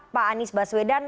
pak anies baswedan